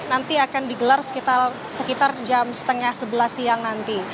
nanti akan digelar sekitar jam setengah sebelas siang nanti